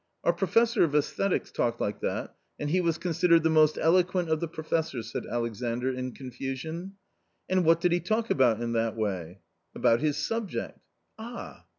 "Our professor of aesthetics talked like that, and he was considered the most eloquent of the professors," said Alex andr in confusion. ." What did he talk about in that way ?" "About his subject." "Ah!"